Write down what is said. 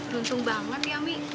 duntung banget ya mi